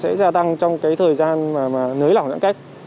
sẽ gia tăng trong thời gian nới lỏng giãn cách